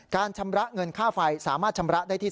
ชำระเงินค่าไฟสามารถชำระได้ที่